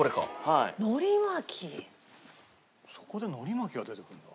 そこで海苔巻きが出てくるんだ。